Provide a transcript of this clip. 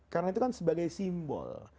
karena itu kan sebagai simbol